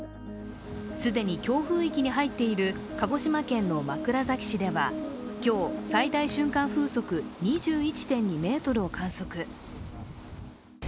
既に強風域に入っている鹿児島県の枕崎市では今日、最大瞬間風速２１．２メートルを観測。